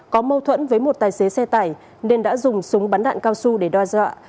có mâu thuẫn với một tài xế xe tải nên đã dùng súng bắn đạn cao su để đo dọa